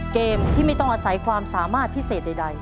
เกมที่ไม่ต้องอาศัยความสามารถพิเศษใด